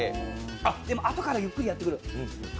でもあとからゆっくりやってくる。